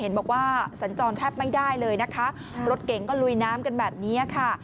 บอกว่าสัญจรแทบไม่ได้เลยนะคะรถเก๋งก็ลุยน้ำกันแบบนี้ค่ะ